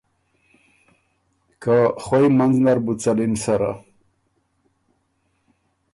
که خوئ منځ نربو څَلِن سره۔